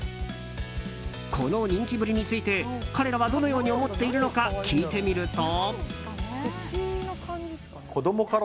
この人気ぶりについて彼らはどのように思っているのか聞いてみると。